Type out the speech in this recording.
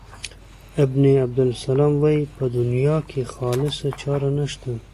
ابن عبدالسلام وايي په دنیا کې خالصه چاره نشته.